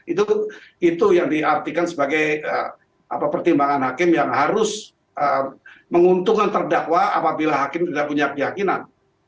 itu yang diartikan sebagai pertimbangan hakim yang harus menguntungkan terdakwa apabila hakim tidak punya keyakinan